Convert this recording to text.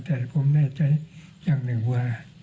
แต่ผมแน่ใจอย่างหนึ่งว่า